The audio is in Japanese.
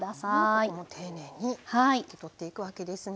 ここも丁寧に拭き取っていくわけですね。